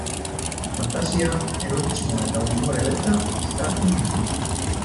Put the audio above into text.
Fantasia, erotismoa eta umore beltza uztartzen ditu.